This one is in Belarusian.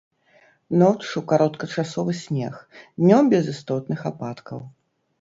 Ноччу кароткачасовы снег, днём без істотных ападкаў.